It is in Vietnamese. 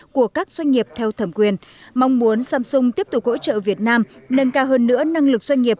của các doanh nghiệp theo thẩm quyền mong muốn samsung tiếp tục hỗ trợ việt nam nâng cao hơn nữa năng lực doanh nghiệp